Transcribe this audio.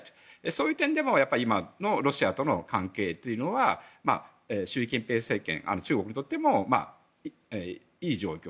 そういう点でも今のロシアとの関係というのは習近平政権、中国にとってもいい状況。